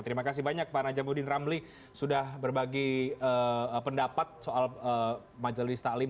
terima kasih banyak pak najamudin ramli sudah berbagi pendapat soal majelis taklim